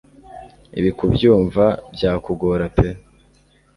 ibi kubyumva byakugora pee